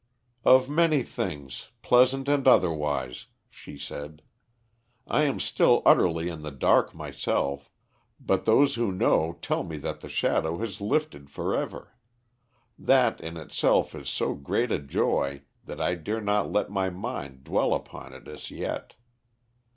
"Of many things, pleasant and otherwise," she said. "I am still utterly in the dark myself, but those who know tell me that the shadow has lifted forever. That in itself is so great a joy that I dare not let my mind dwell upon it as yet.